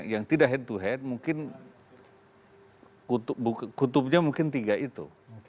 yang tidak head to head mungkin kutubnya mungkin tiga itu